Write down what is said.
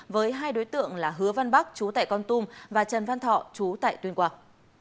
với hai đối tượng là hứa văn bắc chú tại con tum và trần văn thọ chú tại tuyên quang